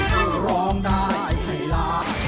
ทุกคนร้องได้ไหมละ